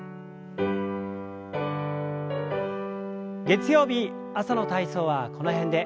月曜日朝の体操はこの辺で。